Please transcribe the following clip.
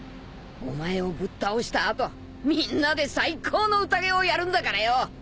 お前をぶっ倒した後みんなで最高の宴をやるんだからよ！